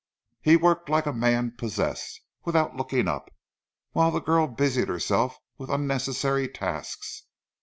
He worked like a man possessed, without looking up, whilst the girl busied herself with unnecessary tasks.